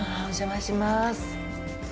お邪魔しまーす。